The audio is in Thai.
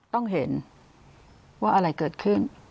ต้องเห็นว่าอะไรเกิดขึ้น